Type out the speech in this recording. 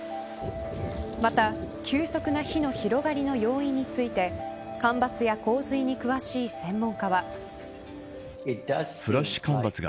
また急速な火の広がりの要因について干ばつや洪水に詳しい専門家は。